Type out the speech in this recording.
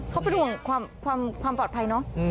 เขาเป็นห่วงความปลอดภัยเนอะ